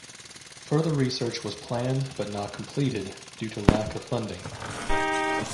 Further research was planned but not completed, due to lack of funding.